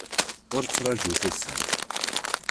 Ur ttraju tasint.